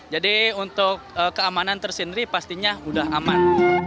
jadi untuk keamanan tersendiri pastinya udah aman